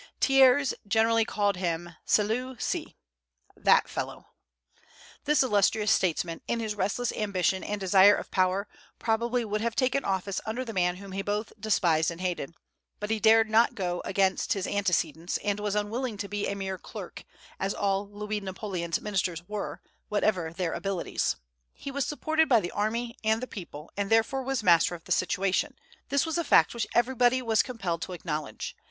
Thiers generally called him Celui ci, "That fellow." This illustrious statesman, in his restless ambition and desire of power, probably would have taken office under the man whom he both despised and hated; but he dared not go against his antecedents, and was unwilling to be a mere clerk, as all Louis Napoleon's ministers were, whatever their abilities. He was supported by the army and the people, and therefore was master of the situation. This was a fact which everybody was compelled to acknowledge.